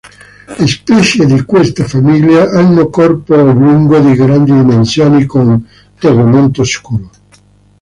Le specie di questa famiglia hanno corpo oblungo di grandi dimensioni, con tegumento scuro.